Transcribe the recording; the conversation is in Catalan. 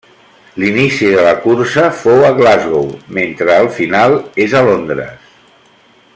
L'inici de la cursa fou a Glasgow, mentre el final és a Londres.